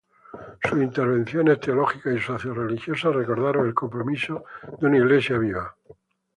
Sus intervenciones teológicas y socio-religiosas recordaron el compromiso de una Iglesia viva.